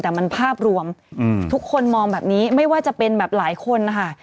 แต่มันภาพรวมทุกคนมองแบบนี้ไม่ว่าจะเป็นแบบหลายคนนะคะ